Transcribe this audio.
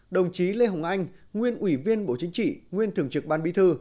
đồng chí lê hồng anh nguyên ủy viên bộ chính trị nguyên thường trực ban bí thư